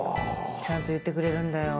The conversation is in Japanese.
ちゃんと言ってくれるんだよ。